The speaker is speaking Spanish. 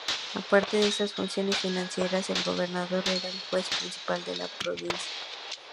Aparte de estas funciones financieras, el gobernador era el juez principal de la provincia.